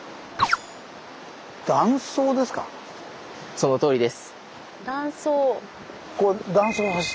そのとおりです。